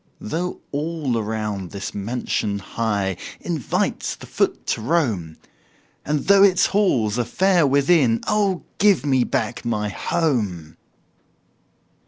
Though all around this mansion high Invites the foot to roam, And though its halls are fair within Oh, give me back my HOME!